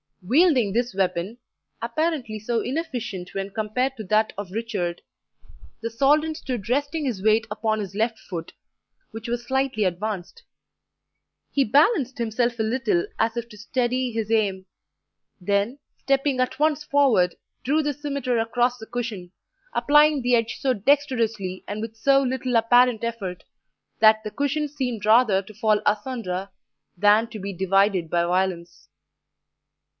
Wielding this weapon, apparently so inefficient when compared to that of Richard, the Soldan stood resting his weight upon his left foot, which was slightly advanced; he balanced himself a little as if to steady his aim, then, stepping at once forward, drew the scimitar across the cushion, applying the edge so dexterously and with so little apparent effort, that the cushion seemed rather to fall asunder than to be divided by violence.